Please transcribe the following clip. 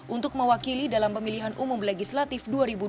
untuk mewakili dalam pemilihan umum legislatif dua ribu dua puluh